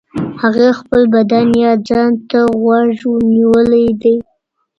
هغې خپل بدن يا ځان ته غوږ نيولی دی.